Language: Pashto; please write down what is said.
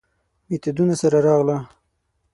میتودونو سره راغله.